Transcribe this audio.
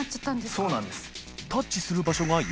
そうなんです。